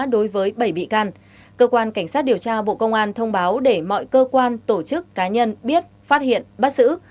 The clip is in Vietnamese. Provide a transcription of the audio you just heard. đối với bảy bị can cơ quan cảnh sát điều tra bộ công an thông báo để mọi cơ quan tổ chức cá nhân biết phát hiện bắt xử